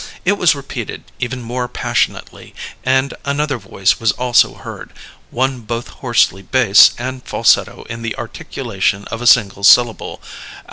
It was repeated even more passionately, and another voice was also heard, one both hoarsely bass and falsetto in the articulation of a single syllable.